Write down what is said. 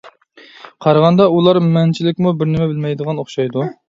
قارىغاندا ئۇلار مەنچىلىكمۇ بىر نېمە بىلمەيدىغان ئوخشايدۇ.